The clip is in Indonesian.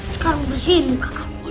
sekarang bersihin muka kamu